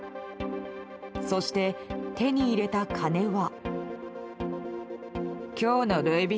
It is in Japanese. そして、手に入れた金は。